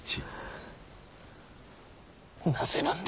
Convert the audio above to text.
なぜなんだ？